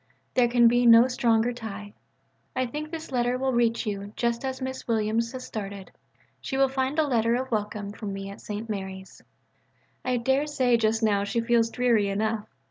There can be no stronger tie. I think this letter will reach you just as Miss Williams has started. She will find a letter of welcome from me at St. Mary's. I daresay just now she feels dreary enough.